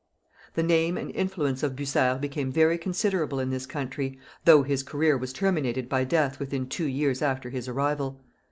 The name and influence of Bucer became very considerable in this country, though his career was terminated by death within two years after his arrival.